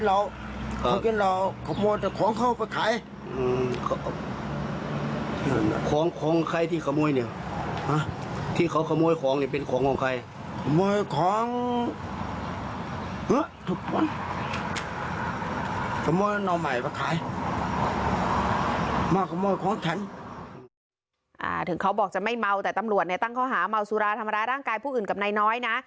เขาบอกจะไม่เมาแต่ตำรวจเนี่ยตั้งข้อหาเมาสุราทำร้ายร่างกายผู้อื่นกับนายน้อยนะ